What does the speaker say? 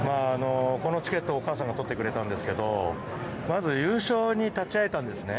このチケットは、お母さんがとってくれたんですけどまず、優勝に立ち会えたんですね